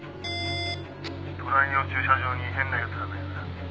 「隣の駐車場に変な奴らがいる」